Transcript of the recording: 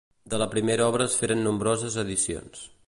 De la primera obra es feren nombroses edicions.